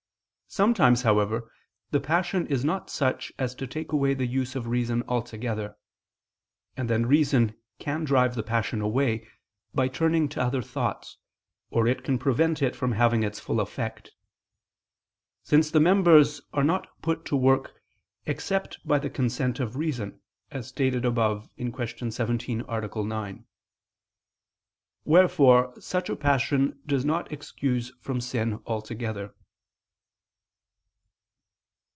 Sometimes, however, the passion is not such as to take away the use of reason altogether; and then reason can drive the passion away, by turning to other thoughts, or it can prevent it from having its full effect; since the members are not put to work, except by the consent of reason, as stated above (Q. 17, A. 9): wherefore such a passion does not excuse from sin altogether.